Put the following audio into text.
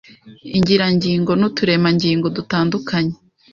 ingirangingo n’uturemangingo dutandukanye